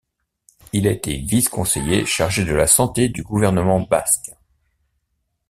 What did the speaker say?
Il a été vice-conseiller chargé de la Santé du Gouvernement basque.